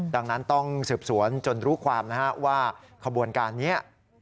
ดังนั้นต้องสืบสวนจนรู้ความนะฮะว่าขบวนการนี้